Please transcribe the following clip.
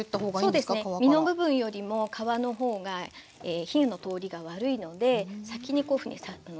そうですね身の部分よりも皮の方が火の通りが悪いので先にこういうふうに下に入れます。